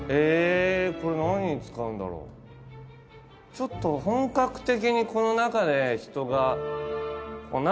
ちょっと本格的にこの中で。